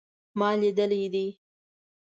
ما لیدلی دی